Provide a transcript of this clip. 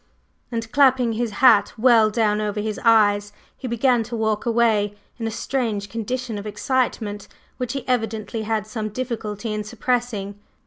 And clapping his hat well down over his eyes, he began to walk away in a strange condition of excitement, which he evidently had some difficulty in suppressing.